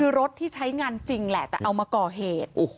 คือรถที่ใช้งานจริงแหละแต่เอามาก่อเหตุ